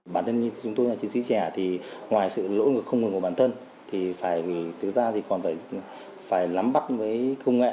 bản thân như chúng tôi là chiến sĩ trẻ thì ngoài sự lỗ lực không ngừng của bản thân thì phải thực ra thì còn phải lắm bắt với công nghệ